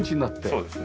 そうですね。